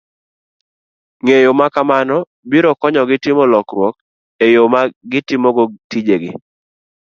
Ng'eyo ma kamano biro konyogi timo lokruok e yo ma gitimogo tijegi